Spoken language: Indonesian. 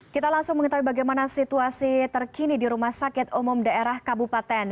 kita langsung mengetahui bagaimana situasi terkini di rumah sakit umum daerah kabupaten